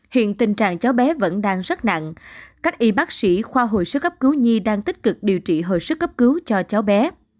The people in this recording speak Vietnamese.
hiện tình trạng cháu bé vẫn đang rất nặng các y bác sĩ khoa hồi sức cấp cứu nhi đang tích cực điều trị hồi sức cấp cứu cho cháu bé